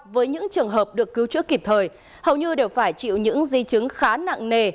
với những trường hợp được cứu chữa kịp thời hầu như đều phải chịu những di chứng khá nặng nề